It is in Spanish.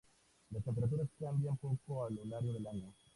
Las temperaturas cambian poco a lo largo del año.